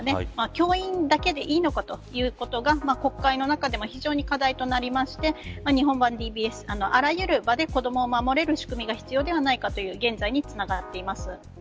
教員だけでいいのかということが国会の中で非常に課題となりまして日本版ＤＢＳ、あらゆる場で子ども守れる仕組みが必要ではないかという現在につながっています。